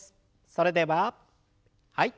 それでははい。